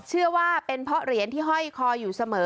เชื่อว่าเป็นเพราะเหรียญที่ห้อยคออยู่เสมอ